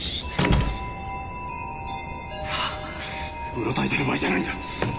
うろたえてる場合じゃないんだ。